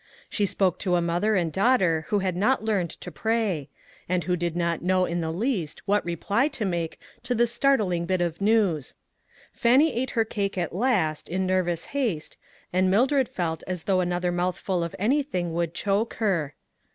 She spoke to a mother and daughter who had not learned to pray ; and who did not know in the least what reply to make to this startling bit of news. Fannie ate her cake at last, in nervous haste, and Mildred felt as though another mouthful of anything would choke her.